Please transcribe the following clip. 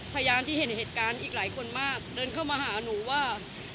พยานที่เห็นเหตุการณ์อีกหลายคนมากเดินเข้ามาหาหนูว่า